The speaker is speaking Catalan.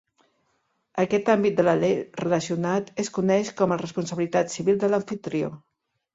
Aquest àmbit de la llei relacionat es coneix com a responsabilitat civil de l'amfitrió.